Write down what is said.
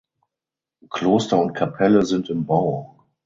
Kloster und Kapelle sind im Bau.